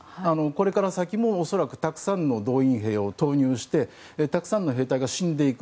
これから先もたくさんの動員兵を投入してたくさんの兵隊が死んでいく。